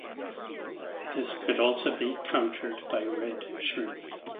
This could also be countered by Red Shrimp.